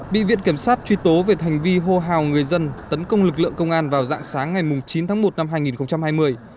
bị viện kiểm sát truy tố về hành vi hô hào người dân tấn công lực lượng công an vào dạng sáng ngày chín tháng một năm hai nghìn hai mươi